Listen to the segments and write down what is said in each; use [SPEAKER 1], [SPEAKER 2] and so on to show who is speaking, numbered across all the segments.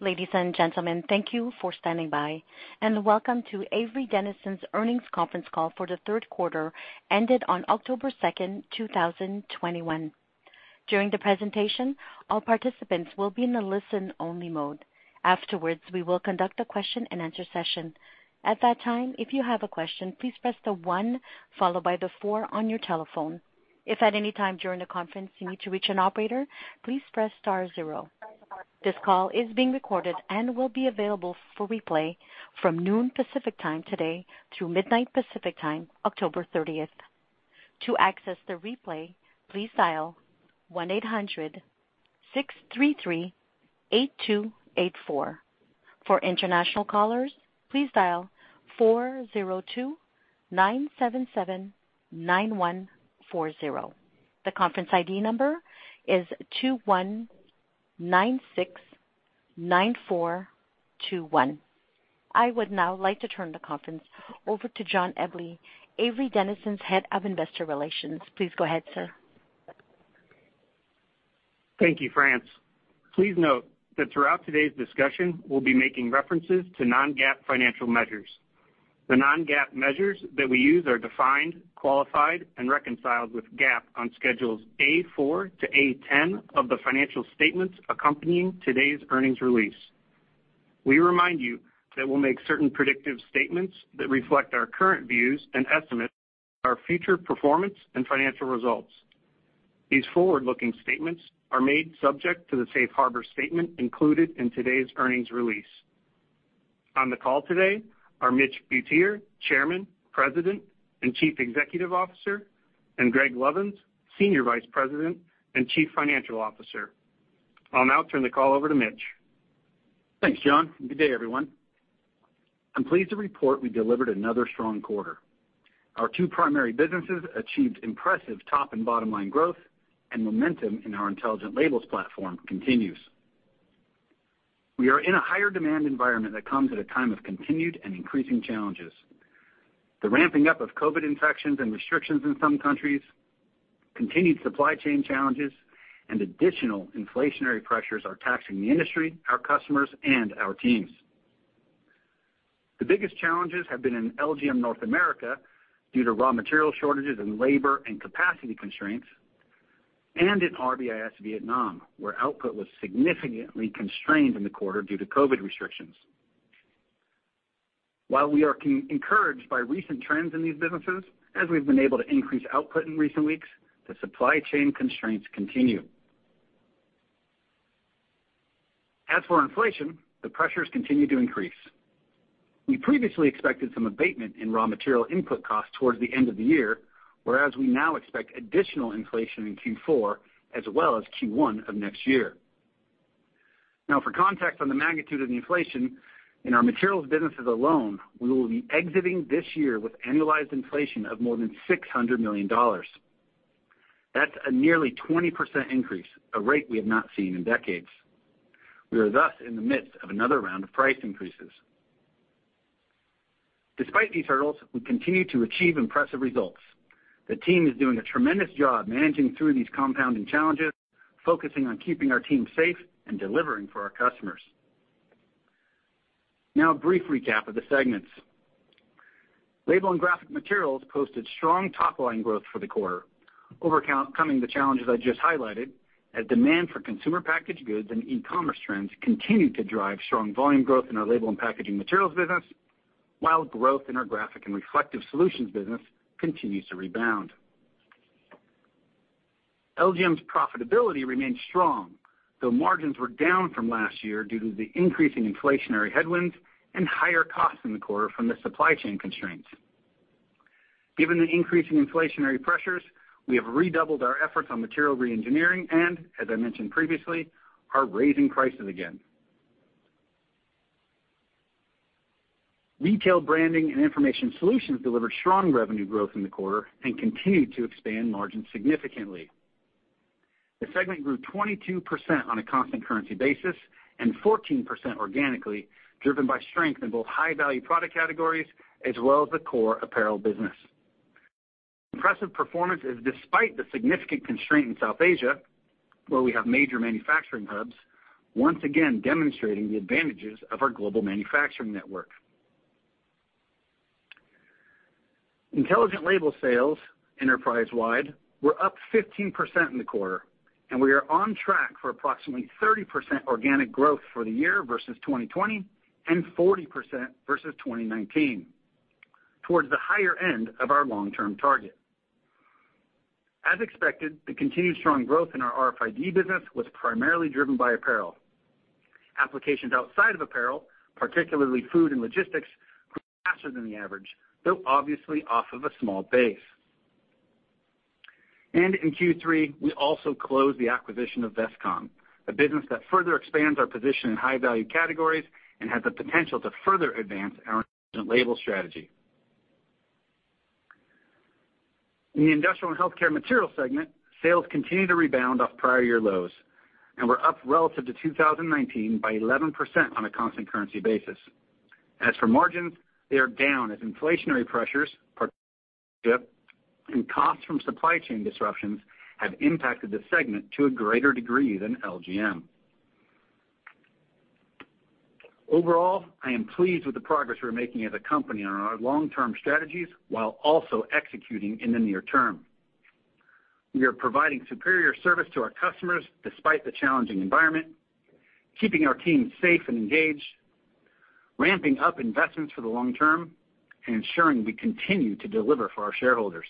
[SPEAKER 1] Ladies and gentlemen, thank you for standing by, and welcome to Avery Dennison's Earnings Conference Call for the Q3 ended on October 2, 2021. During the presentation, all participants will be in a listen-only mode. Afterwards, we will conduct a question-and-answer session. At that time, if you have a question, please press the one followed by the four on your telephone. If at any time during the conference you need to reach an operator, please press star zero. This call is being recorded and will be available for replay from noon Pacific Time today through midnight Pacific Time, October 30. To access the replay, please dial 1-800-633-8284. For international callers, please dial 402-977-9140. The conference ID number is 21969421. I would now like to turn the conference over to John Eble, Avery Dennison's Head of Investor Relations. Please go ahead, sir.
[SPEAKER 2] Thank you, Franz. Please note that throughout today's discussion, we'll be making references to non-GAAP financial measures. The non-GAAP measures that we use are defined, qualified, and reconciled with GAAP on schedules A-4 to A-10 of the financial statements accompanying today's earnings release. We remind you that we'll make certain predictive statements that reflect our current views and estimates of our future performance and financial results. These forward-looking statements are made subject to the safe harbor statement included in today's earnings release. On the call today are Mitch Butier, Chairman, President, and Chief Executive Officer, and Greg Lovins, Senior Vice President and Chief Financial Officer. I'll now turn the call over to Mitch.
[SPEAKER 3] Thanks, John, and good day, everyone. I'm pleased to report we delivered another strong quarter. Our two primary businesses achieved impressive top and bottom line growth, and momentum in our Intelligent Labels platform continues. We are in a higher demand environment that comes at a time of continued and increasing challenges. The ramping up of COVID infections and restrictions in some countries, continued supply chain challenges, and additional inflationary pressures are taxing the industry, our customers, and our teams. The biggest challenges have been in LGM North America due to raw material shortages and labor and capacity constraints, and in RBIS Vietnam, where output was significantly constrained in the quarter due to COVID restrictions. While we are encouraged by recent trends in these businesses, as we've been able to increase output in recent weeks, the supply chain constraints continue. As for inflation, the pressures continue to increase. We previously expected some abatement in raw material input costs towards the end of the year, whereas we now expect additional inflation in Q4 as well as Q1 of next year. Now for context on the magnitude of the inflation in our materials businesses alone, we will be exiting this year with annualized inflation of more than $600 million. That's a nearly 20% increase, a rate we have not seen in decades. We are thus in the midst of another round of price increases. Despite these hurdles, we continue to achieve impressive results. The team is doing a tremendous job managing through these compounding challenges, focusing on keeping our team safe and delivering for our customers. Now a brief recap of the segments. Label and Graphic Materials posted strong top line growth for the quarter, overcoming the challenges I just highlighted as demand for consumer packaged goods and e-commerce trends continue to drive strong volume growth in our Label and Packaging Materials business while growth in our Graphics and Reflective business continues to rebound. LGM's profitability remained strong, though margins were down from last year due to the increasing inflationary headwinds and higher costs in the quarter from the supply chain constraints. Given the increasing inflationary pressures, we have redoubled our efforts on material reengineering and, as I mentioned previously, are raising prices again. Retail Branding and Information Solutions delivered strong revenue growth in the quarter and continued to expand margins significantly. The segment grew 22% on a constant currency basis and 14% organically, driven by strength in both high-value product categories as well as the core apparel business. impressive performance despite the significant constraint in South Asia, where we have major manufacturing hubs, once again demonstrating the advantages of our global manufacturing network. Intelligent Labels sales enterprise-wide were up 15% in the quarter, and we are on track for approximately 30% organic growth for the year versus 2020 and 40% versus 2019, towards the higher end of our long-term target. As expected, the continued strong growth in our RFID business was primarily driven by apparel. Applications outside of apparel, particularly food and logistics, grew faster than the average, though obviously off of a small base. In Q3, we also closed the acquisition of Vestcom, a business that further expands our position in high-value categories and has the potential to further advance our label strategy. In the Industrial and Healthcare Materials segment, sales continued to rebound off prior year lows and were up relative to 2019 by 11% on a constant currency basis. As for margins, they are down as inflationary pressures, partnership and costs from supply chain disruptions have impacted the segment to a greater degree than LGM. Overall, I am pleased with the progress we're making as a company on our long-term strategies while also executing in the near term. We are providing superior service to our customers despite the challenging environment, keeping our team safe and engaged, ramping up investments for the long term, and ensuring we continue to deliver for our shareholders.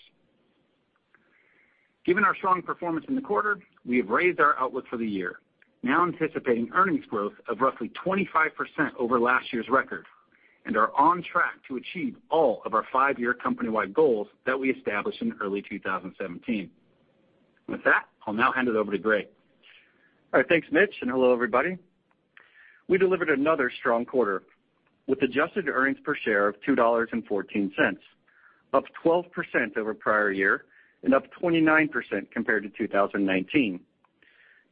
[SPEAKER 3] Given our strong performance in the quarter, we have raised our outlook for the year, now anticipating earnings growth of roughly 25% over last year's record, and are on track to achieve all of our five-year company-wide goals that we established in early 2017. With that, I'll now hand it over to Greg.
[SPEAKER 4] All right, thanks, Mitch, and hello, everybody. We delivered another strong quarter with adjusted earnings per share of $2.14, up 12% over prior year and up 29% compared to 2019,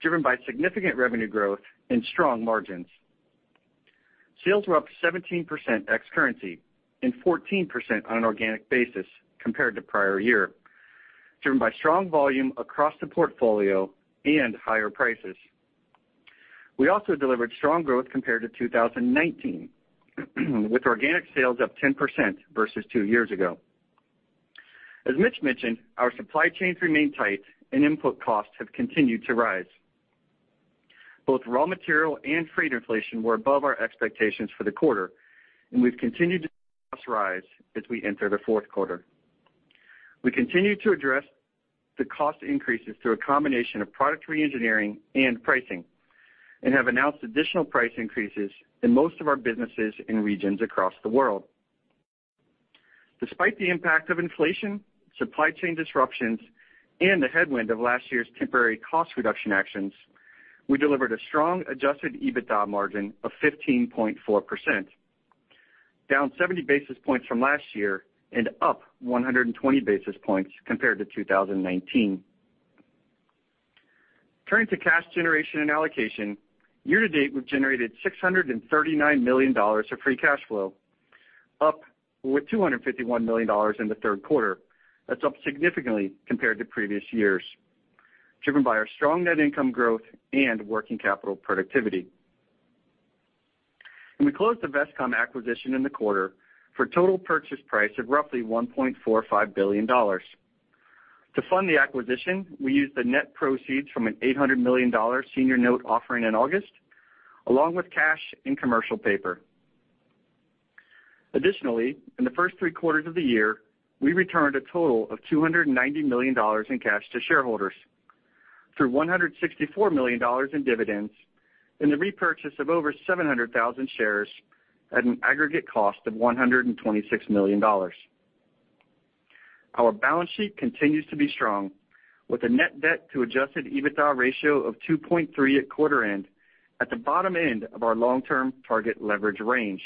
[SPEAKER 4] driven by significant revenue growth and strong margins. Sales were up 17% ex-currency and 14% on an organic basis compared to prior year, driven by strong volume across the portfolio and higher prices. We also delivered strong growth compared to 2019, with organic sales up 10% versus two years ago. As Mitch mentioned, our supply chains remain tight and input costs have continued to rise. Both raw material and freight inflation were above our expectations for the quarter, and we've continued to see costs rise as we enter the Q4. We continue to address the cost increases through a combination of product re-engineering and pricing, and have announced additional price increases in most of our businesses in regions across the world. Despite the impact of inflation, supply chain disruptions, and the headwind of last year's temporary cost reduction actions, we delivered a strong adjusted EBITDA margin of 15.4%, down 70 basis points from last year and up 120 basis points compared to 2019. Turning to cash generation and allocation, year to date, we've generated $639 million of free cash flow, up $251 million in the third quarter. That's up significantly compared to previous years, driven by our strong net income growth and working capital productivity. We closed the Vestcom acquisition in the quarter for a total purchase price of roughly $1.45 billion. To fund the acquisition, we used the net proceeds from an $800 million senior note offering in August, along with cash and commercial paper. Additionally, in the first three quarters of the year, we returned a total of $290 million in cash to shareholders through $164 million in dividends and the repurchase of over 700,000 shares at an aggregate cost of $126 million. Our balance sheet continues to be strong, with a net debt to adjusted EBITDA ratio of two point three at quarter end, at the bottom end of our long-term target leverage range.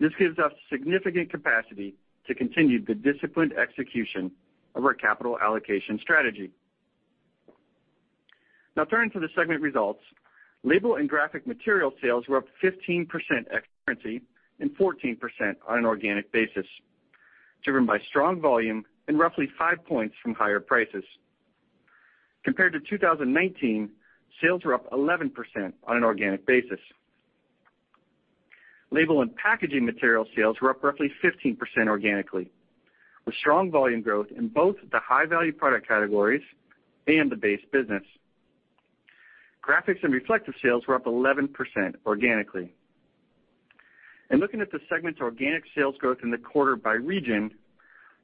[SPEAKER 4] This gives us significant capacity to continue the disciplined execution of our capital allocation strategy. Now turning to the segment results. Label and Graphic Materials sales were up 15% ex currency and 14% on an organic basis, driven by strong volume and roughly five points from higher prices. Compared to 2019, sales were up 11% on an organic basis. Label and Packaging Materials sales were up roughly 15% organically, with strong volume growth in both the high-value product categories and the base business. Graphics and Reflective sales were up 11% organically. In looking at the segment's organic sales growth in the quarter by region,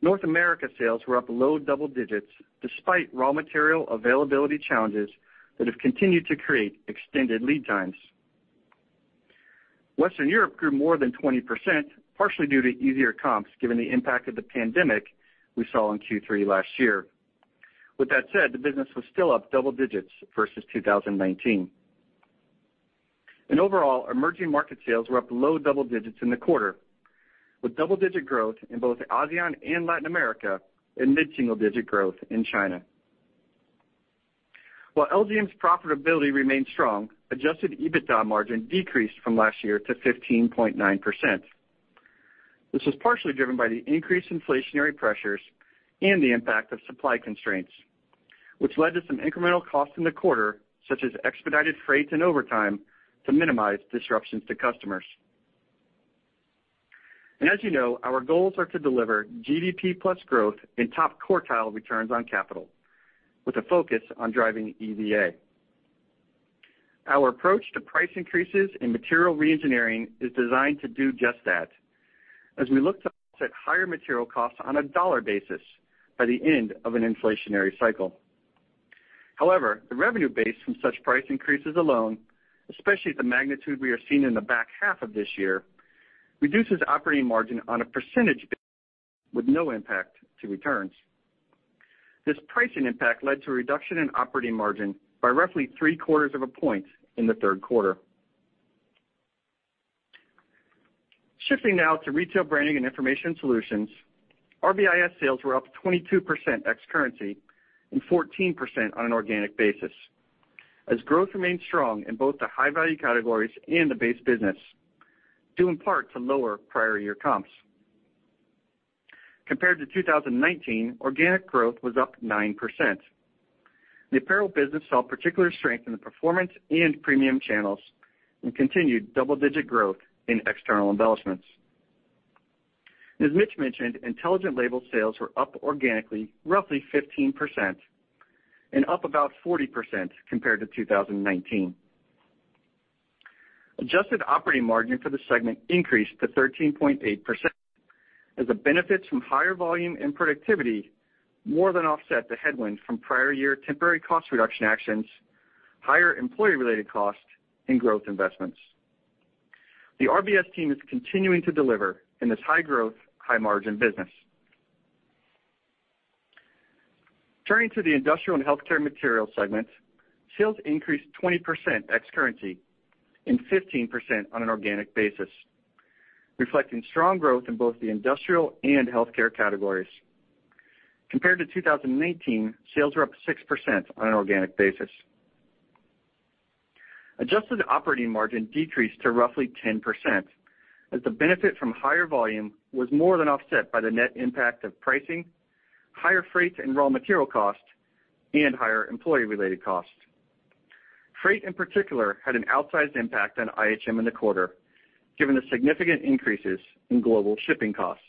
[SPEAKER 4] North America sales were up low double digits despite raw material availability challenges that have continued to create extended lead times. Western Europe grew more than 20%, partially due to easier comps given the impact of the pandemic we saw in Q3 last year. With that said, the business was still up double digits versus 2019. Overall, emerging market sales were up low double digits in the quarter, with double-digit growth in both ASEAN and Latin America and mid-single-digit growth in China. While LGM's profitability remained strong, adjusted EBITDA margin decreased from last year to 15.9%. This was partially driven by the increased inflationary pressures and the impact of supply constraints, which led to some incremental costs in the quarter, such as expedited freight and overtime to minimize disruptions to customers. As you know, our goals are to deliver GDP plus growth in top quartile returns on capital with a focus on driving EVA. Our approach to price increases and material re-engineering is designed to do just that as we look to offset higher material costs on a dollar basis by the end of an inflationary cycle. However, the revenue base from such price increases alone, especially at the magnitude we are seeing in the back half of this year, reduces operating margin on a percentage basis with no impact to returns. This pricing impact led to a reduction in operating margin by roughly three-quarters of a point in the Q3. Shifting now to Retail Branding and Information Solutions, RBIS sales were up 22% ex currency and 14% on an organic basis. As growth remains strong in both the high value categories and the base business, due in part to lower prior year comps. Compared to 2019, organic growth was up 9%. The apparel business saw particular strength in the performance and premium channels and continued double-digit growth in external embellishments. As Mitch mentioned, Intelligent Labels sales were up organically, roughly 15% and up about 40% compared to 2019. Adjusted operating margin for the segment increased to 13.8% as the benefits from higher volume and productivity more than offset the headwind from prior year temporary cost reduction actions, higher employee related costs and growth investments. The RBIS team is continuing to deliver in this high growth, high margin business. Turning to the Industrial and Healthcare Materials segment, sales increased 20% ex-currency and 15% on an organic basis, reflecting strong growth in both the industrial and healthcare categories. Compared to 2019, sales were up 6% on an organic basis. Adjusted operating margin decreased to roughly 10% as the benefit from higher volume was more than offset by the net impact of pricing, higher freight and raw material costs, and higher employee-related costs. Freight, in particular, had an outsized impact on IHM in the quarter, given the significant increases in global shipping costs.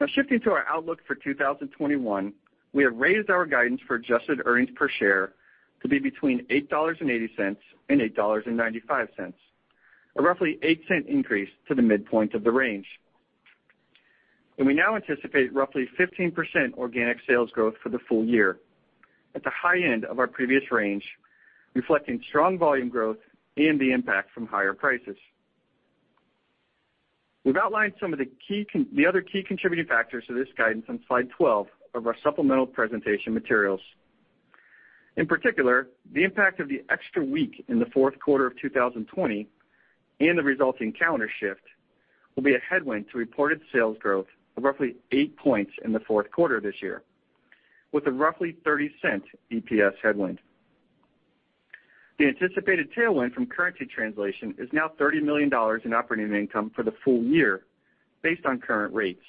[SPEAKER 4] Now shifting to our outlook for 2021, we have raised our guidance for adjusted earnings per share to be between $8.80 and $8.95, a roughly $0.08 increase to the midpoint of the range. We now anticipate roughly 15% organic sales growth for the full year at the high end of our previous range, reflecting strong volume growth and the impact from higher prices. We've outlined the other key contributing factors to this guidance on slide 12 of our supplemental presentation materials. In particular, the impact of the extra week in the Q4 of 2020 and the resulting calendar shift will be a headwind to reported sales growth of roughly eight points in the Q4 this year, with a roughly $0.30 EPS headwind. The anticipated tailwind from currency translation is now $30 million in operating income for the full year based on current rates.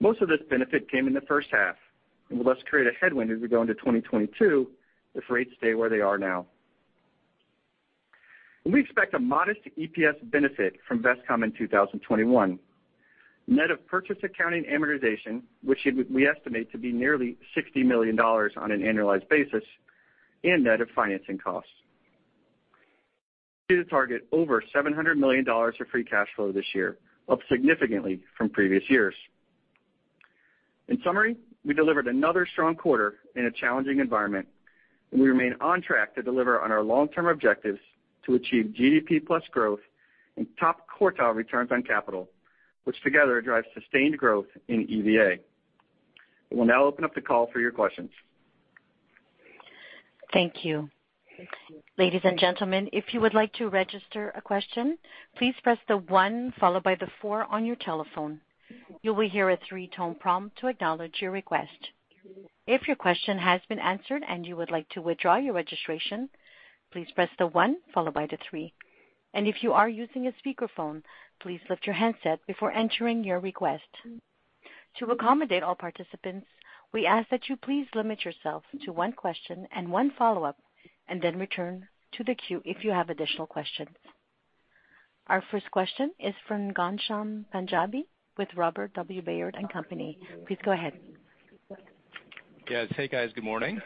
[SPEAKER 4] Most of this benefit came in the first half, and will thus create a headwind as we go into 2022 if rates stay where they are now. We expect a modest EPS benefit from Vestcom in 2021. Net of purchase accounting amortization, which we estimate to be nearly $60 million on an annualized basis and net of financing costs. We continue to target over $700 million of free cash flow this year, up significantly from previous years. In summary, we delivered another strong quarter in a challenging environment, and we remain on track to deliver on our long-term objectives to achieve GDP plus growth and top quartile returns on capital, which together drive sustained growth in EVA. We will now open up the call for your questions.
[SPEAKER 1] Thank you. Ladies and gentlemen, if you would like to register a question, please press one followed by four on your telephone. You will hear a three-tone prompt to acknowledge your request. If your question has been answered and you would like to withdraw your registration, please press one followed by three. If you are using a speakerphone, please lift your handset before entering your request. To accommodate all participants, we ask that you please limit yourself to one question and one follow-up, and then return to the queue if you have additional questions. Our first question is from Ghansham Panjabi with Robert W. Baird & Co. Please go ahead.
[SPEAKER 5] Yes. Hey, guys. Good morning.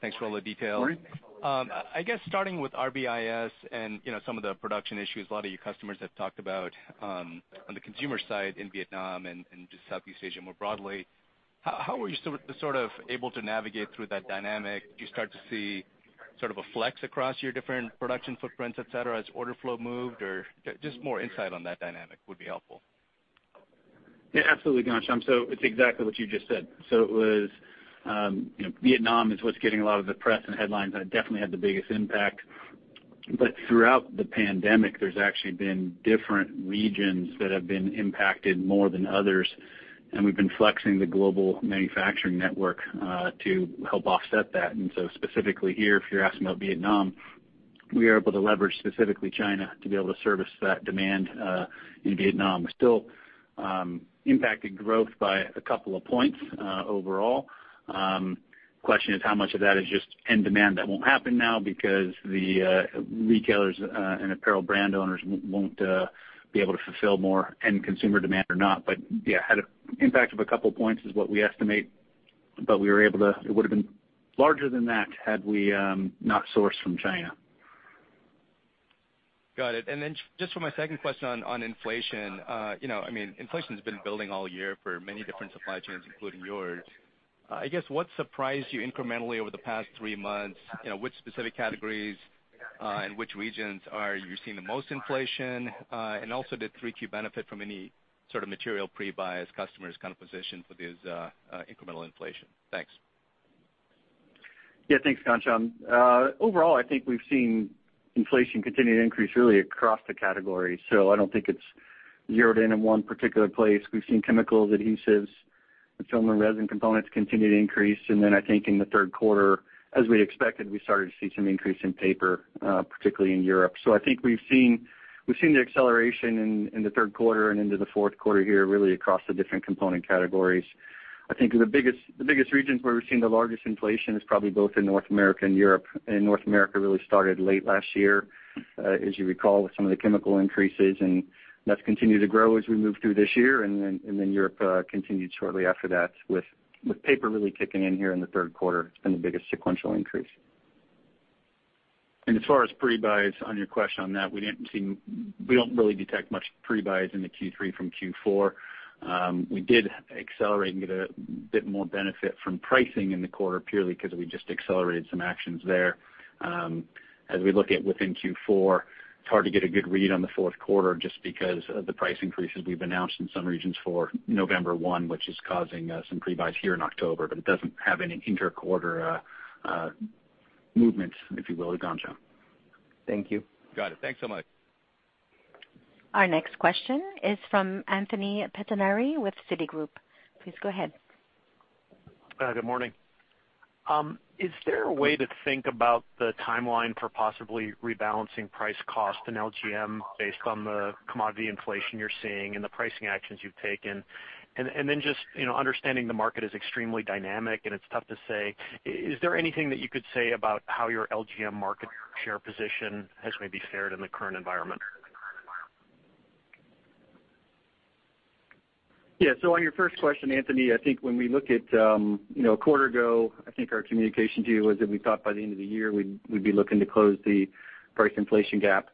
[SPEAKER 5] Thanks for all the detail.
[SPEAKER 4] Morning.
[SPEAKER 5] I guess starting with RBIS and, you know, some of the production issues a lot of your customers have talked about, on the consumer side in Vietnam and just Southeast Asia more broadly, how were you sort of able to navigate through that dynamic? Did you start to see sort of a flex across your different production footprints, et cetera, as order flow moved? Or just more insight on that dynamic would be helpful.
[SPEAKER 3] Yeah, absolutely, Ghansham. It's exactly what you just said. It was, you know, Vietnam is what's getting a lot of the press and headlines, and it definitely had the biggest impact. Throughout the pandemic, there's actually been different regions that have been impacted more than others, and we've been flexing the global manufacturing network to help offset that. Specifically here, if you're asking about Vietnam, we are able to leverage specifically China to be able to service that demand in Vietnam. We're still impacting growth by a couple of points overall. Question is how much of that is just end demand that won't happen now because the retailers and apparel brand owners won't be able to fulfill more end consumer demand or not. Yeah, it had an impact of a couple points, is what we estimate, but it would've been larger than that had we not sourced from China.
[SPEAKER 5] Got it. Just for my second question on inflation. You know, I mean, inflation's been building all year for many different supply chains, including yours. I guess, what surprised you incrementally over the past three months? You know, which specific categories, and which regions are you seeing the most inflation? And also did 3Q benefit from any sort of material pre-buy as customers kind of positioned for this, incremental inflation? Thanks.
[SPEAKER 4] Yeah. Thanks, Ghansham. Overall, I think we've seen inflation continued to increase really across the category. I don't think it's zeroed in one particular place. We've seen chemicals, adhesives, and film and resin components continue to increase. I think in the Q3, as we expected, we started to see some increase in paper, particularly in Europe. I think we've seen the acceleration in the Q3 and into the Q4 here, really across the different component categories. I think the biggest regions where we've seen the largest inflation is probably both in North America and Europe. North America really started late last year, as you recall, with some of the chemical increases, and that's continued to grow as we move through this year. Europe continued shortly after that with paper really kicking in here in the Q3. It's been the biggest sequential increase. As far as pre-buys, on your question on that, we don't really detect much pre-buys in the Q3 from Q4. We did accelerate and get a bit more benefit from pricing in the quarter purely 'cause we just accelerated some actions there. As we look at within Q4, it's hard to get a good read on the Q4 just because of the price increases we've announced in some regions for November one, which is causing some pre-buys here in October, but it doesn't have any inter-quarter movements, if you will, at Ghansham Panjabi.
[SPEAKER 5] Thank you. Got it. Thanks so much.
[SPEAKER 1] Our next question is from Anthony Pettinari with Citigroup. Please go ahead.
[SPEAKER 6] Good morning. Is there a way to think about the timeline for possibly rebalancing price cost in LGM based on the commodity inflation you're seeing and the pricing actions you've taken? Just, you know, understanding the market is extremely dynamic and it's tough to say, is there anything that you could say about how your LGM market share position has maybe fared in the current environment?
[SPEAKER 4] Yeah. On your first question, Anthony, I think when we look at, you know, a quarter ago, I think our communication to you was that we thought by the end of the year, we'd be looking to close the price inflation gap.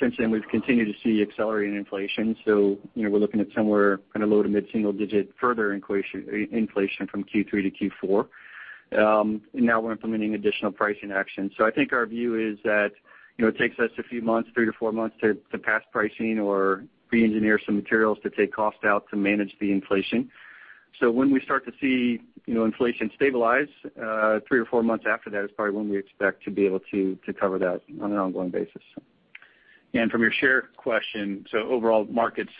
[SPEAKER 4] Since then, we've continued to see accelerating inflation. You know, we're looking at somewhere kind of low- to mid-single-digit further inflation from Q3 to Q4. Now we're implementing additional pricing actions. I think our view is that, you know, it takes us a few months, 3-4 months to pass pricing or reengineer some materials to take cost out to manage the inflation. When we start to see, you know, inflation stabilize, 3-4 months after that is probably when we expect to be able to cover that on an ongoing basis.
[SPEAKER 3] From your share question, overall markets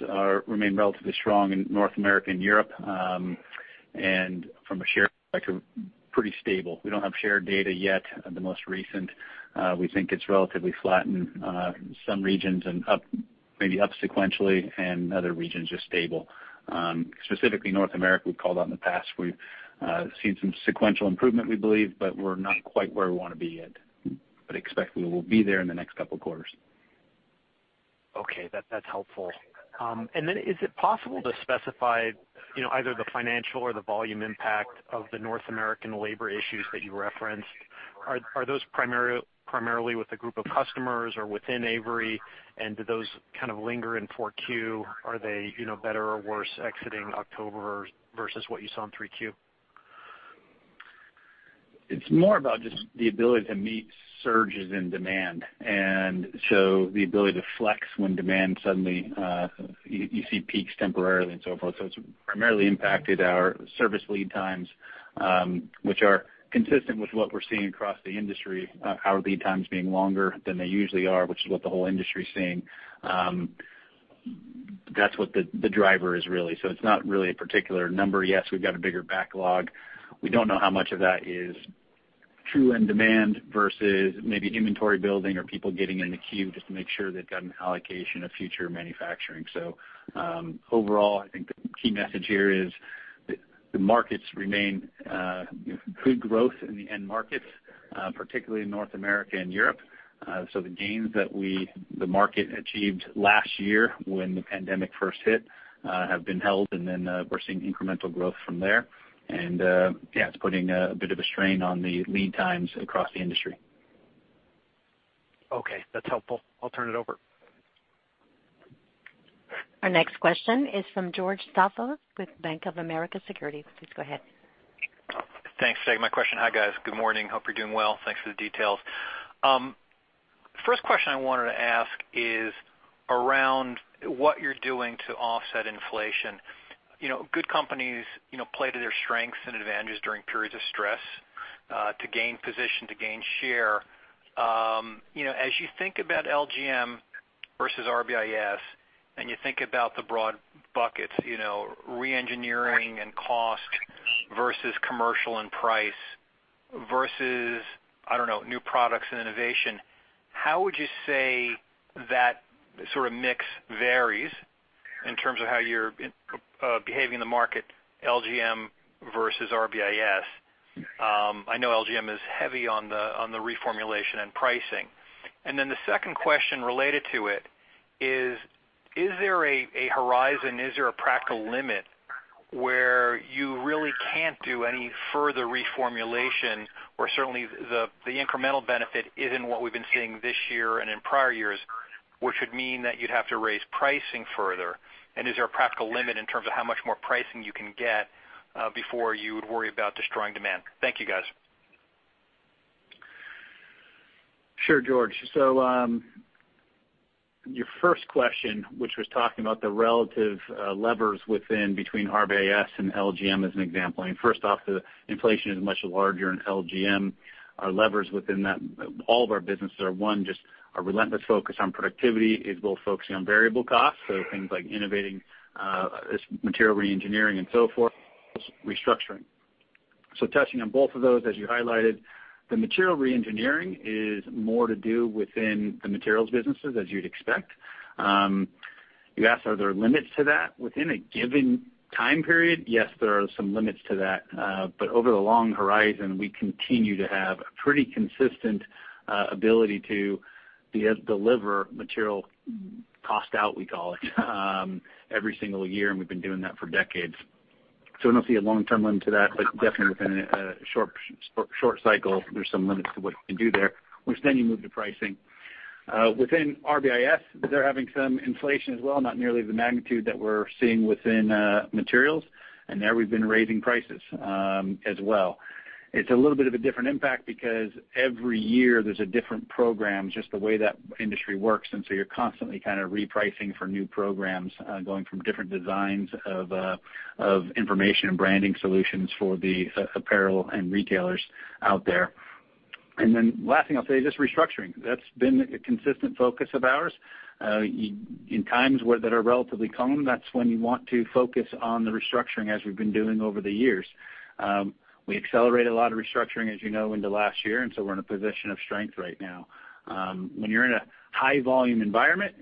[SPEAKER 3] remain relatively strong in North America and Europe. From a share perspective, pretty stable. We don't have share data yet for the most recent. We think it's relatively flat in some regions and up, maybe up sequentially in other regions, just stable. Specifically, North America, we've called out in the past, we've seen some sequential improvement, we believe, but we're not quite where we wanna be yet. We expect we will be there in the next couple quarters.
[SPEAKER 6] Okay. That's helpful. And then is it possible to specify, you know, either the financial or the volume impact of the North American labor issues that you referenced? Are those primarily with a group of customers or within Avery? And do those kind of linger in 4Q? Are they, you know, better or worse exiting October versus what you saw in 3Q?
[SPEAKER 4] It's more about just the ability to meet surges in demand. The ability to flex when demand suddenly you see peaks temporarily and so forth. It's primarily impacted our service lead times, which are consistent with what we're seeing across the industry, our lead times being longer than they usually are, which is what the whole industry is seeing. That's what the driver is really. It's not really a particular number. Yes, we've got a bigger backlog. We don't know how much of that is true demand versus maybe inventory building or people getting in the queue just to make sure they've got an allocation of future manufacturing. Overall, I think the key message here is the markets remain good growth in the end markets, particularly in North America and Europe. The gains the market achieved last year when the pandemic first hit have been held, and then we're seeing incremental growth from there. It's putting a bit of a strain on the lead times across the industry.
[SPEAKER 6] Okay, that's helpful. I'll turn it over.
[SPEAKER 1] Our next question is from George Staphos with Bank of America Securities. Please go ahead.
[SPEAKER 7] Thanks. Saving my question. Hi, guys. Good morning. Hope you're doing well. Thanks for the details. First question I wanted to ask is around what you're doing to offset inflation. You know, good companies, you know, play to their strengths and advantages during periods of stress, to gain position, to gain share. You know, as you think about LGM versus RBIS, and you think about the broad buckets, you know, reengineering and cost versus commercial and price versus, I don't know, new products and innovation, how would you say that sort of mix varies in terms of how you're, behaving in the market, LGM versus RBIS? I know LGM is heavy on the reformulation and pricing. Then the second question related to it is there a horizon, is there a practical limit where you really can't do any further reformulation? Certainly, the incremental benefit isn't what we've been seeing this year and in prior years, which would mean that you'd have to raise pricing further. Is there a practical limit in terms of how much more pricing you can get before you would worry about destroying demand? Thank you, guys.
[SPEAKER 3] Sure, George. Your first question, which was talking about the relative levers within between RBIS and LGM as an example. I mean, first off, the inflation is much larger in LGM. Our levers within that, all of our businesses are one, just a relentless focus on productivity is both focusing on variable costs, so things like innovating, material reengineering and so forth, restructuring. Touching on both of those, as you highlighted, the material reengineering is more to do within the materials businesses as you'd expect. You asked are there limits to that within a given time period, yes, there are some limits to that. But over the long horizon, we continue to have a pretty consistent ability to deliver material cost out, we call it, every single year, and we've been doing that for decades. I don't see a long-term limit to that, but definitely within a short cycle, there's some limits to what you can do there, which then you move to pricing. Within RBIS, they're having some inflation as well, not nearly the magnitude that we're seeing within materials. There we've been raising prices as well. It's a little bit of a different impact because every year there's a different program, just the way that industry works, and so you're constantly kind of repricing for new programs, going from different designs of information and branding solutions for the apparel and retailers out there. Last thing I'll say, just restructuring. That's been a consistent focus of ours. In times that are relatively calm, that's when you want to focus on the restructuring as we've been doing over the years. We accelerated a lot of restructuring, as you know, into last year, and so we're in a position of strength right now. When you're in a high volume environment,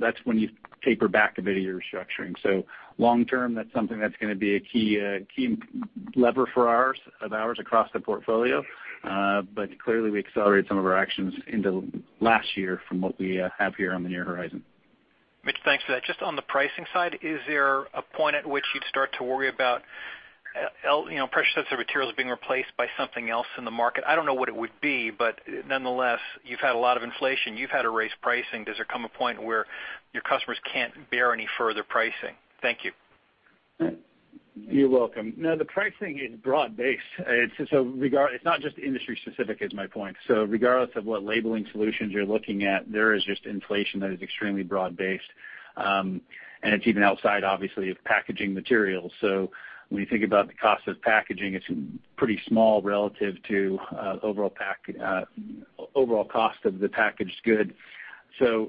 [SPEAKER 3] that's when you taper back a bit of your restructuring. Long term, that's something that's gonna be a key lever for ours across the portfolio. Clearly we accelerated some of our actions into last year from what we have here on the near horizon.
[SPEAKER 7] Mitch, thanks for that. Just on the pricing side, is there a point at which you'd start to worry about you know, pressure-sensitive materials being replaced by something else in the market? I don't know what it would be, but nonetheless, you've had a lot of inflation. You've had to raise pricing. Does there come a point where your customers can't bear any further pricing? Thank you.
[SPEAKER 3] You're welcome. No, the pricing is broad-based. It's not just industry specific is my point. Regardless of what labeling solutions you're looking at, there is just inflation that is extremely broad-based. It's even outside, obviously, of packaging materials. When you think about the cost of packaging, it's pretty small relative to overall cost of the packaged good. I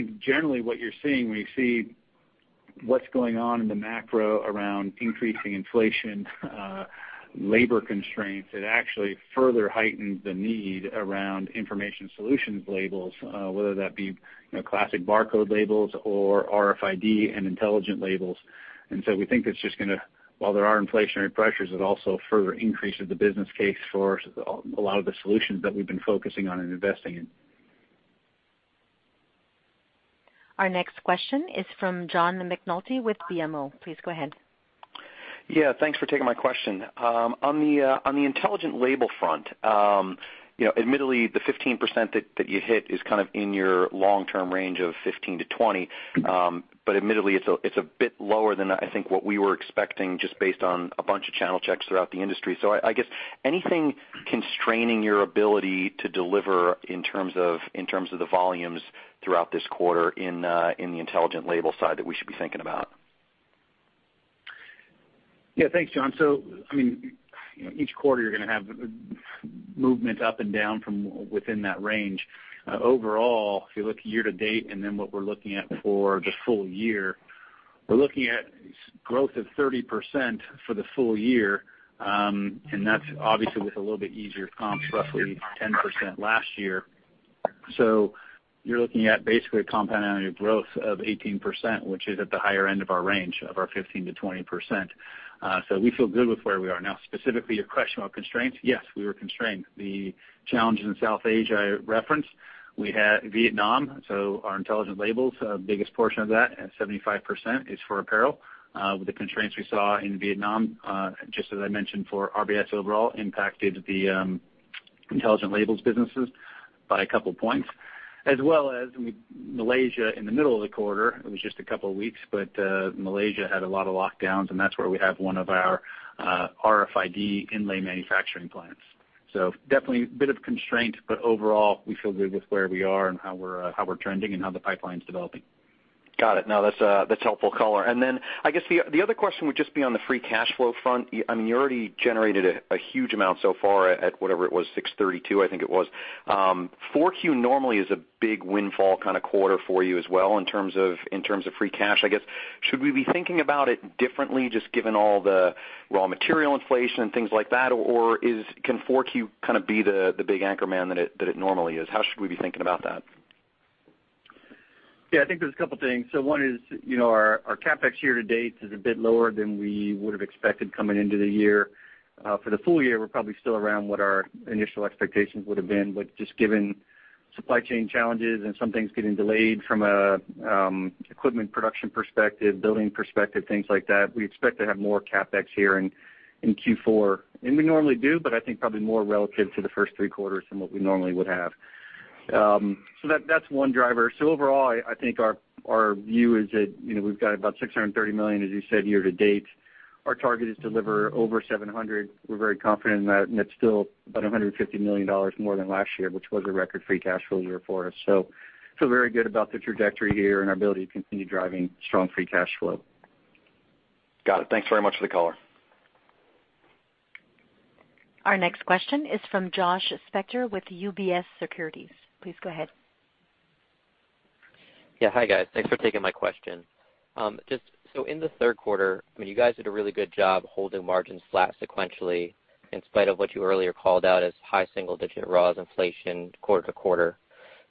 [SPEAKER 3] think generally what you're seeing when you see what's going on in the macro around increasing inflation, labor constraints, it actually further heightens the need around information solutions labels, whether that be, you know, classic barcode labels or RFID and intelligent labels. We think it's just gonna, while there are inflationary pressures, it also further increases the business case for a lot of the solutions that we've been focusing on and investing in.
[SPEAKER 1] Our next question is from John McNulty with BMO. Please go ahead.
[SPEAKER 8] Yeah. Thanks for taking my question. On the intelligent label front, you know, admittedly, the 15% that you hit is kind of in your long-term range of 15%-20%, but admittedly it's a bit lower than I think what we were expecting just based on a bunch of channel checks throughout the industry. I guess anything constraining your ability to deliver in terms of the volumes throughout this quarter in the intelligent label side that we should be thinking about?
[SPEAKER 3] Yeah. Thanks, John. I mean, each quarter you're gonna have movement up and down from within that range. Overall, if you look year-to-date and then what we're looking at for the full year, we're looking at growth of 30% for the full year, and that's obviously with a little bit easier comps, roughly 10% last year. You're looking at basically a compound annual growth of 18%, which is at the higher end of our range of 15%-20%. We feel good with where we are. Now specifically, your question about constraints, yes, we were constrained by the challenges in South Asia I referenced. We had Vietnam, so our Intelligent Labels, biggest portion of that at 75% is for apparel. With the constraints we saw in Vietnam, just as I mentioned for RBIS, overall, impacted the Intelligent Labels businesses by a couple points. As well as Malaysia in the middle of the quarter. It was just a couple of weeks, but Malaysia had a lot of lockdowns, and that's where we have one of our RFID inlay manufacturing plants. Definitely a bit of constraint, but overall, we feel good with where we are and how we're trending and how the pipeline's developing.
[SPEAKER 8] Got it. No, that's helpful color. I guess the other question would just be on the free cash flow front. I mean, you already generated a huge amount so far at whatever it was, $632, I think it was. 4Q normally is a big windfall kind of quarter for you as well in terms of free cash. I guess, should we be thinking about it differently just given all the raw material inflation and things like that? Or, can 4Q kind of be the big anchor that it normally is? How should we be thinking about that?
[SPEAKER 4] Yeah, I think there's a couple things. One is, you know, our CapEx year to date is a bit lower than we would have expected coming into the year. For the full year, we're probably still around what our initial expectations would have been. Just given supply chain challenges and some things getting delayed from a equipment production perspective, building perspective, things like that, we expect to have more CapEx here in Q4. We normally do, but I think probably more relative to the first three quarters than what we normally would have. That's one driver. Overall, I think our view is that, you know, we've got about $630 million, as you said, year to date. Our target is deliver over $700 million.
[SPEAKER 3] We're very confident in that, and it's still about $150 million more than last year, which was a record free cash flow year for us. We feel very good about the trajectory here and our ability to continue driving strong free cash flow. Got it. Thanks very much for the color.
[SPEAKER 1] Our next question is from Josh Spector with UBS Securities. Please go ahead.
[SPEAKER 9] Yeah. Hi, guys. Thanks for taking my question. Just so in the Q3, I mean, you guys did a really good job holding margins flat sequentially in spite of what you earlier called out as high single-digit raws inflation quarter-to-quarter.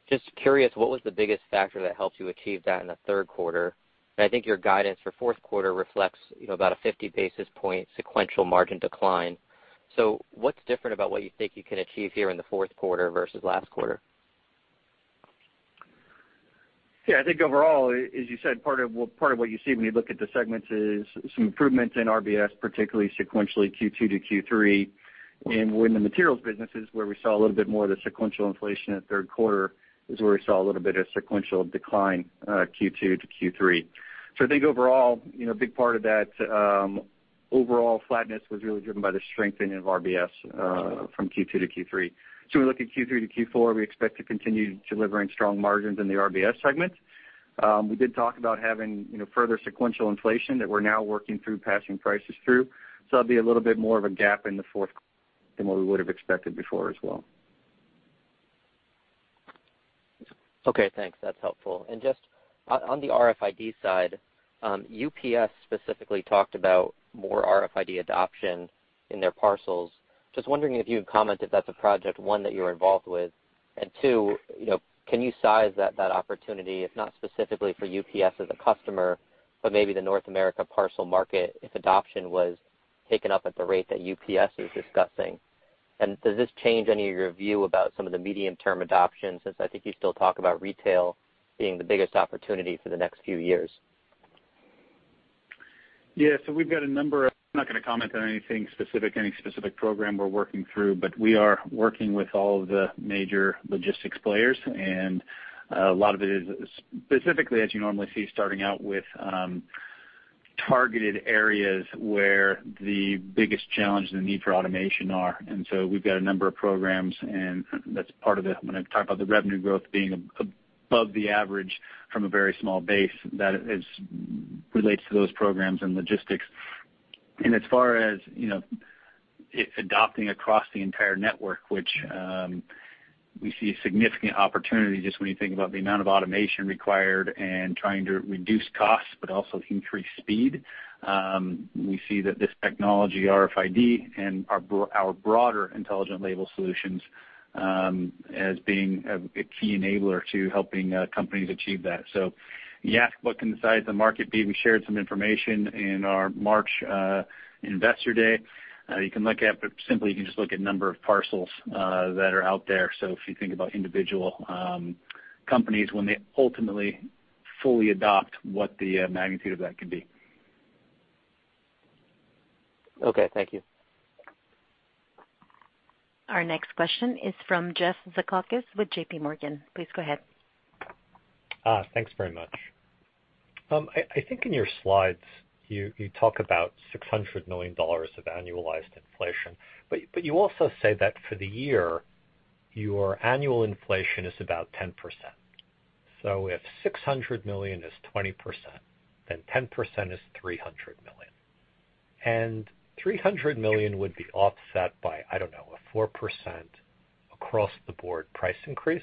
[SPEAKER 9] Just curious, what was the biggest factor that helped you achieve that in the Q3? I think your guidance for Q4 reflects, you know, about a 50 basis point sequential margin decline. What's different about what you think you can achieve here in the Q4 versus last quarter?
[SPEAKER 3] Yeah, I think overall, as you said, part of what you see when you look at the segments is some improvements in RBIS, particularly sequentially Q2 to Q3. Within the materials businesses where we saw a little bit more of the sequential inflation in the Q3 is where we saw a little bit of sequential decline, Q2 to Q3. I think overall, you know, a big part of that, overall flatness was really driven by the strengthening of RBIS, from Q2 to Q3. We look at Q3 to Q4, we expect to continue delivering strong margins in the RBIS segment. We did talk about having, you know, further sequential inflation that we're now working through passing prices through. That'll be a little bit more of a gap in the fourth than what we would have expected before as well.
[SPEAKER 9] Okay, thanks. That's helpful. Just on the RFID side, UPS specifically talked about more RFID adoption in their parcels. Just wondering if you can comment if that's a project, one, that you're involved with, and two, you know, can you size that opportunity, if not specifically for UPS as a customer, but maybe the North America parcel market if adoption was taken up at the rate that UPS is discussing? Does this change any of your view about some of the medium-term adoption, since I think you still talk about retail being the biggest opportunity for the next few years?
[SPEAKER 3] Yeah. We've got a number of. I'm not gonna comment on anything specific, any specific program we're working through, but we are working with all of the major logistics players, and a lot of it is specifically, as you normally see, starting out with targeted areas where the biggest challenge and the need for automation are. We've got a number of programs, and that's part of the, when I talk about the revenue growth being above the average from a very small base that is, relates to those programs and logistics. As far as, you know, it's adopting across the entire network, which, we see a significant opportunity just when you think about the amount of automation required and trying to reduce costs but also increase speed, we see that this technology, RFID, and our broader Intelligent Label solutions, as being a key enabler to helping companies achieve that. You asked what can the size of the market be. We shared some information in our March Investor Day. You can look at, but simply you can just look at number of parcels that are out there. If you think about individual companies, when they ultimately fully adopt what the magnitude of that can be.
[SPEAKER 9] Okay, thank you.
[SPEAKER 1] Our next question is from Jeff Zekauskas with JPMorgan. Please go ahead.
[SPEAKER 10] Thanks very much. I think in your slides, you talk about $600 million of annualized inflation, but you also say that for the year, your annual inflation is about 10%. So if $600 million is 20%, then 10% is $300 million. Three hundred million would be offset by, I don't know, a 4% across the board price increase.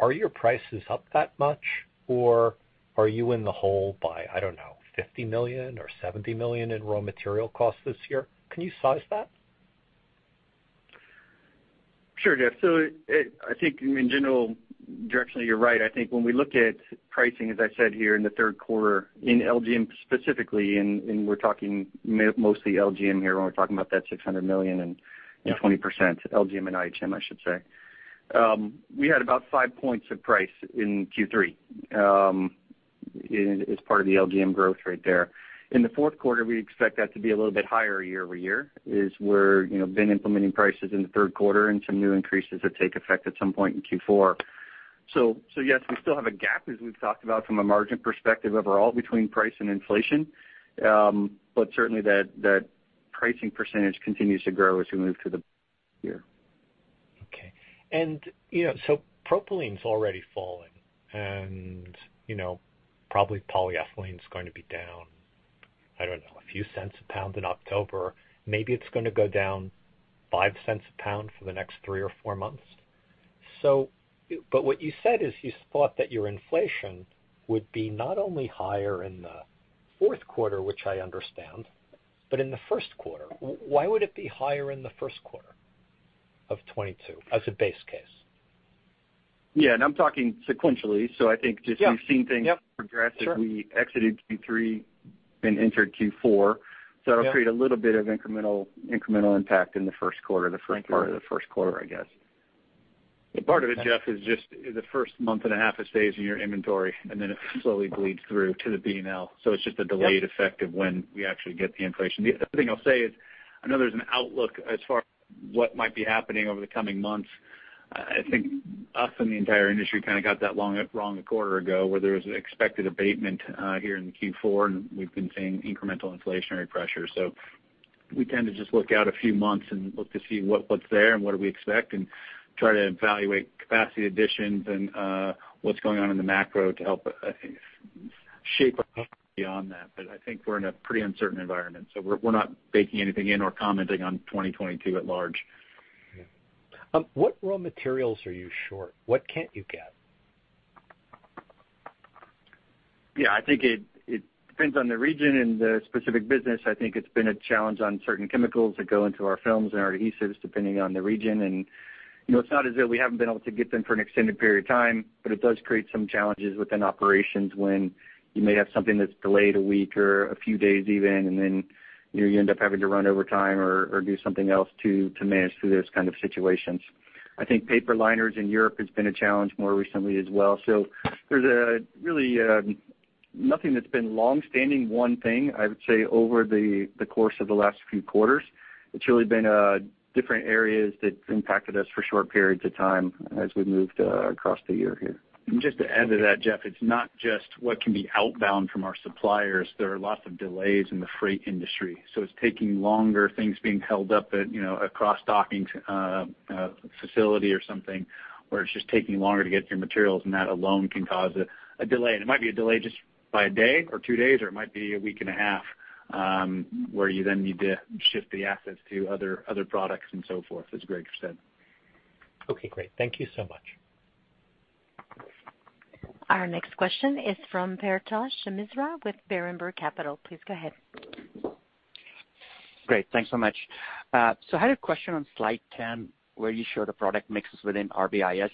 [SPEAKER 10] Are your prices up that much or are you in the hole by, I don't know, $50 million or $70 million in raw material costs this year? Can you size that?
[SPEAKER 3] Sure, Jeff. I think in general directionally you're right. I think when we look at pricing, as I said here in the Q3 in LGM specifically, and we're talking mostly LGM here when we're talking about that $600 million and
[SPEAKER 10] Yeah.
[SPEAKER 4] 20% LGM and IHM, I should say. We had about five points of price in Q3, as part of the LGM growth right there. In the Q4, we expect that to be a little bit higher year-over-year, as we're, you know, been implementing prices in the Q3 and some new increases that take effect at some point in Q4. Yes, we still have a gap as we've talked about from a margin perspective overall between price and inflation. Certainly that pricing percentage continues to grow as we move through the year.
[SPEAKER 10] Okay. You know, so propylene's already falling and, you know, probably polyethylene is going to be down, I don't know, a few cents a pound in October. Maybe it's gonna go down $0.05 A pound for the next three or four months. What you said is, you thought that your inflation would be not only higher in the Q4, which I understand, but in the Q1. Why would it be higher in the Q1 of 2022 as a base case?
[SPEAKER 4] Yeah, I'm talking sequentially. I think just.
[SPEAKER 10] Yeah.
[SPEAKER 4] We've seen things progress.
[SPEAKER 10] Sure.
[SPEAKER 3] As we exited Q3 and entered Q4.
[SPEAKER 10] Yeah.
[SPEAKER 3] That'll create a little bit of incremental impact in the Q1, the front part of the Q1, I guess. Part of it, Jeff, is just the first month and a half, it stays in your inventory, and then it slowly bleeds through to the P&L. It's just a delayed effect of when we actually get the inflation. The other thing I'll say is I know there's an outlook as far as what might be happening over the coming months. I think us and the entire industry kind of got that wrong a quarter ago, where there was an expected abatement here in Q4, and we've been seeing incremental inflationary pressure. We tend to just look out a few months and look to see what's there and what do we expect and try to evaluate capacity additions and what's going on in the macro to help, I think, shape our beyond that. I think we're in a pretty uncertain environment, so we're not baking anything in or commenting on 2022 at large.
[SPEAKER 10] What raw materials are you short? What can't you get?
[SPEAKER 3] Yeah. I think it depends on the region and the specific business. I think it's been a challenge on certain chemicals that go into our films and our adhesives, depending on the region. You know, it's not as though we haven't been able to get them for an extended period of time, but it does create some challenges within operations when you may have something that's delayed a week or a few days even, and then, you know, you end up having to run over time or do something else to manage through those kind of situations. I think paper liners in Europe has been a challenge more recently as well. There's really nothing that's been longstanding, one thing I would say over the course of the last few quarters. It's really been different areas that impacted us for short periods of time as we moved across the year here. Just to add to that, Jeff, it's not just what can be outbound from our suppliers. There are lots of delays in the freight industry, so it's taking longer, things being held up at, you know, a cross-docking facility or something, where it's just taking longer to get your materials, and that alone can cause a delay. It might be a delay just by a day or two days, or it might be a week and a half, where you then need to shift the assets to other products and so forth, as Greg said.
[SPEAKER 10] Okay, great. Thank you so much.
[SPEAKER 1] Our next question is from Paretosh Misra with Berenberg Capital. Please go ahead.
[SPEAKER 11] Great. Thanks so much. I had a question on slide 10, where you show the product mixes within RBIS.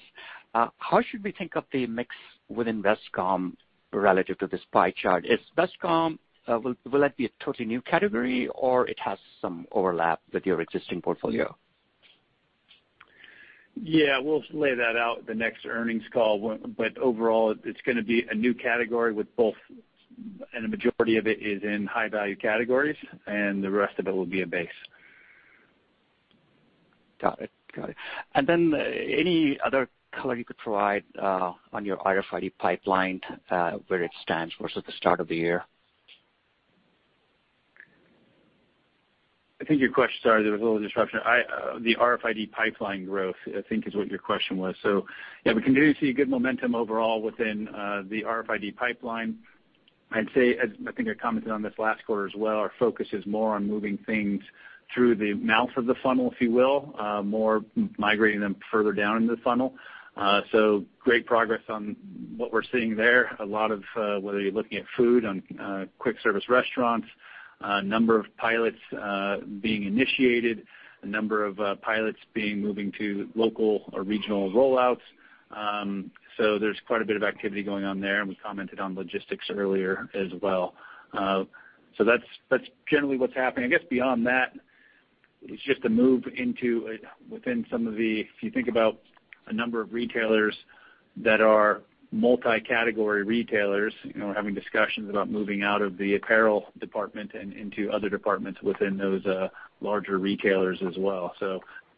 [SPEAKER 11] How should we think of the mix within Vestcom relative to this pie chart? Is Vestcom will it be a totally new category or it has some overlap with your existing portfolio?
[SPEAKER 3] Yeah, we'll lay that out the next earnings call. Overall, it's gonna be a new category with both, and the majority of it is in high value categories, and the rest of it will be a base.
[SPEAKER 11] Got it. Any other color you could provide on your RFID pipeline, where it stands versus the start of the year?
[SPEAKER 3] I think your question. Sorry, there was a little disruption. I think the RFID pipeline growth is what your question was. Yeah, we continue to see good momentum overall within the RFID pipeline. I'd say, as I think I commented on this last quarter as well, our focus is more on moving things through the mouth of the funnel, if you will, more migrating them further down into the funnel. Great progress on what we're seeing there. A lot of, whether you're looking at food and quick service restaurants, a number of pilots being initiated, a number of pilots being moved to local or regional rollouts. There's quite a bit of activity going on there, and we commented on logistics earlier as well. That's generally what's happening. I guess beyond that, it's just a move into within some of the. If you think about a number of retailers that are multi-category retailers, you know, having discussions about moving out of the apparel department and into other departments within those larger retailers as well.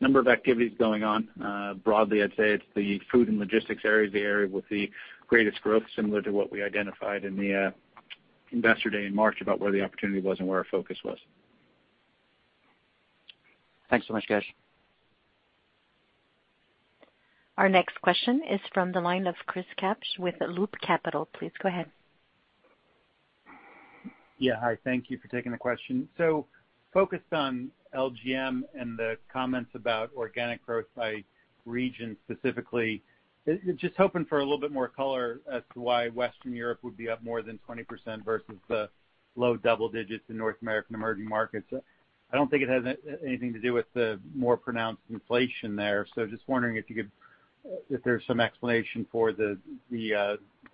[SPEAKER 3] Number of activities going on. Broadly, I'd say it's the food and logistics areas, the area with the greatest growth, similar to what we identified in the Investor Day in March about where the opportunity was and where our focus was.
[SPEAKER 11] Thanks so much, guys.
[SPEAKER 1] Our next question is from the line of Chris Kapsch with Loop Capital. Please go ahead.
[SPEAKER 12] Yeah. Hi. Thank you for taking the question. Focused on LGM and the comments about organic growth by region specifically, just hoping for a little bit more color as to why Western Europe would be up more than 20% versus the low double digits in North American emerging markets. I don't think it has anything to do with the more pronounced inflation there. Just wondering if you could, if there's some explanation for the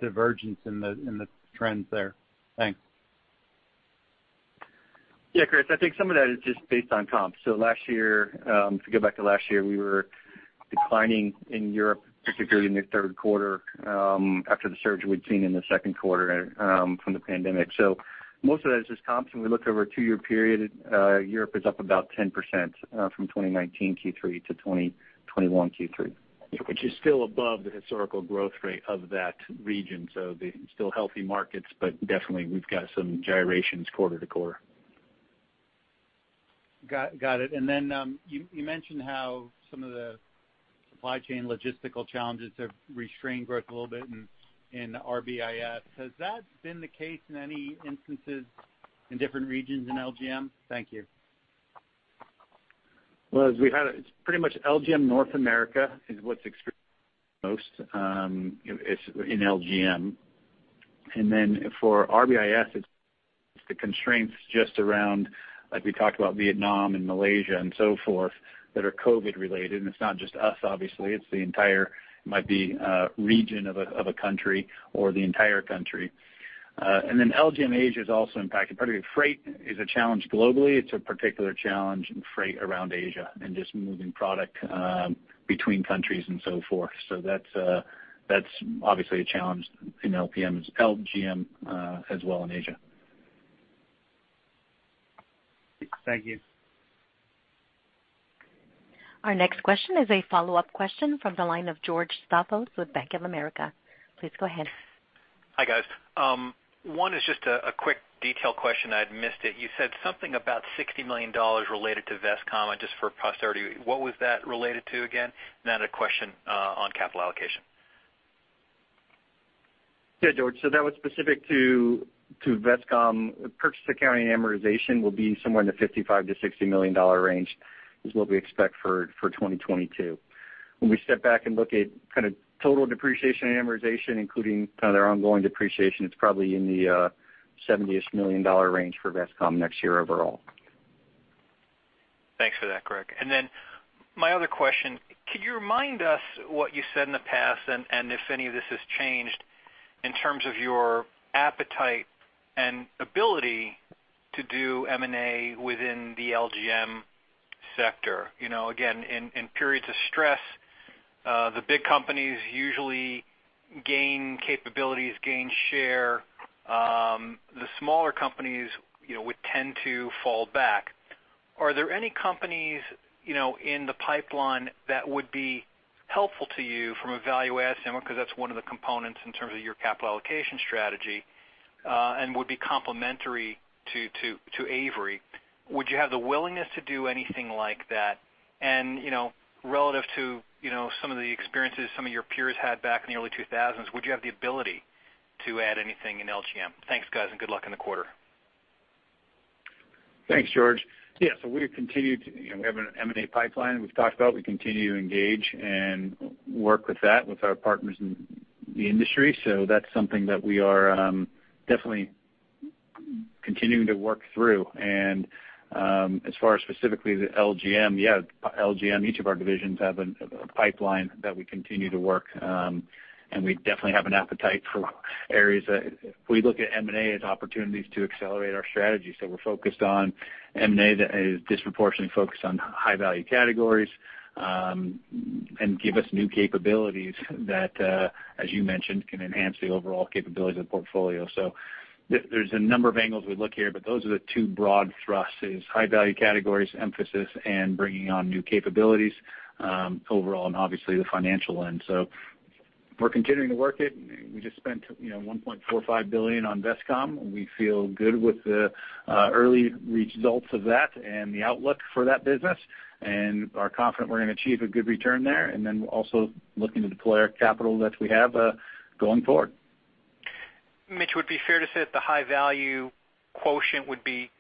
[SPEAKER 12] divergence in the trends there. Thanks.
[SPEAKER 3] Yeah, Chris, I think some of that is just based on comp. Last year, if you go back to last year, we were declining in Europe, particularly in the Q3, after the surge we'd seen in the Q2, from the pandemic. Most of that is just comps. When we look over a two-year period, Europe is up about 10%, from 2019 Q3 to 2021 Q3. Which is still above the historical growth rate of that region. They're still healthy markets, but definitely we've got some gyrations quarter-to-quarter.
[SPEAKER 12] Got it. You mentioned how some of the supply chain logistical challenges have restrained growth a little bit in RBIS. Has that been the case in any instances in different regions in LGM? Thank you.
[SPEAKER 3] Well, as we had, it's pretty much LGM North America is what's experienced most. It's in LGM. Then for RBIS, it's the constraints just around, like we talked about Vietnam and Malaysia and so forth, that are COVID related. It's not just us obviously. It's the entire. It might be a region of a country or the entire country. Then LGM Asia is also impacted. Part of the freight is a challenge globally. It's a particular challenge in freight around Asia and just moving product between countries and so forth. That's obviously a challenge in LPM, LGM as well in Asia.
[SPEAKER 12] Thank you.
[SPEAKER 1] Our next question is a follow-up question from the line of George Staphos with Bank of America. Please go ahead.
[SPEAKER 7] Hi, guys. One is just a quick detail question. I'd missed it. You said something about $60 million related to Vestcom and just for posterity, what was that related to again? Then I had a question on capital allocation.
[SPEAKER 4] Yeah, George. That was specific to Vestcom. Purchase accounting amortization will be somewhere in the $55 million-$60 million range is what we expect for 2022. When we step back and look at kind of total depreciation and amortization, including kind of their ongoing depreciation, it's probably in the $70 million range for Vestcom next year overall.
[SPEAKER 7] Thanks for that, Greg. Then my other question, could you remind us what you said in the past and if any of this has changed in terms of your appetite and ability to do M&A within the LGM sector. You know, again, in periods of stress, the big companies usually gain capabilities, gain share. The smaller companies, you know, would tend to fall back. Are there any companies, you know, in the pipeline that would be helpful to you from a value add standpoint, because that's one of the components in terms of your capital allocation strategy, and would be complementary to Avery. Would you have the willingness to do anything like that? You know, relative to, you know, some of the experiences some of your peers had back in the early 2000s, would you have the ability to add anything in LGM? Thanks, guys, and good luck in the quarter.
[SPEAKER 3] Thanks, George. Yeah, we've continued to, you know, we have an M&A pipeline we've talked about. We continue to engage and work with that with our partners in the industry. That's something that we are definitely continuing to work through. As far as specifically the LGM, yeah, LGM, each of our divisions have a pipeline that we continue to work, and we definitely have an appetite for areas that we look at M&A as opportunities to accelerate our strategy. We're focused on M&A that is disproportionately focused on high value categories, and give us new capabilities that, as you mentioned, can enhance the overall capabilities of the portfolio. There's a number of angles we look here, but those are the two broad thrusts, is high value categories emphasis and bringing on new capabilities, overall and obviously the financial lens. We're continuing to work it. We just spent, you know, $1.45 billion on Vestcom. We feel good with the early results of that and the outlook for that business and are confident we're gonna achieve a good return there. Also looking to deploy our capital that we have going forward.
[SPEAKER 7] Mitch, would it be fair to say that the high value quotient would be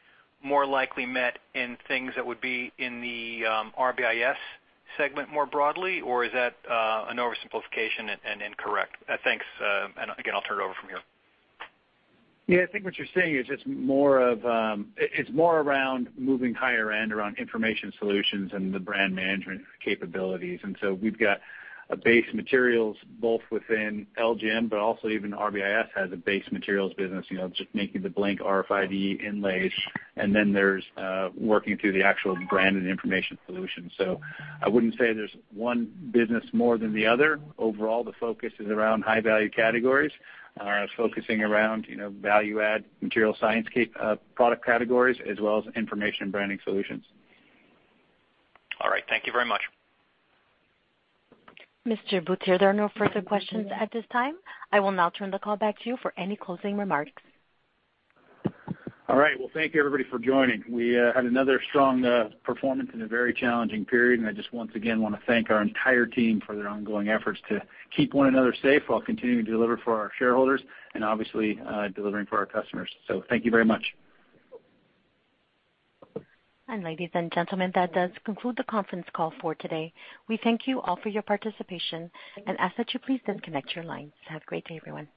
[SPEAKER 7] more likely met in things that would be in the RBIS segment more broadly, or is that an oversimplification and incorrect? Thanks. Again, I'll turn it over from here.
[SPEAKER 3] Yeah, I think what you're saying is it's more of, it's more around moving higher end around information solutions and the brand management capabilities. We've got a base materials both within LGM, but also even RBIS has a base materials business, you know, just making the blank RFID inlays. There's working through the actual brand and information solution. I wouldn't say there's one business more than the other. Overall, the focus is around high value categories, focusing around, you know, value add material science product categories as well as information branding solutions.
[SPEAKER 7] All right. Thank you very much.
[SPEAKER 1] Mr. Butier, there are no further questions at this time. I will now turn the call back to you for any closing remarks.
[SPEAKER 3] All right. Well, thank you everybody for joining. We had another strong performance in a very challenging period, and I just once again wanna thank our entire team for their ongoing efforts to keep one another safe while continuing to deliver for our shareholders and obviously delivering for our customers. Thank you very much.
[SPEAKER 1] Ladies and gentlemen, that does conclude the conference call for today. We thank you all for your participation and ask that you please disconnect your lines. Have a great day, everyone.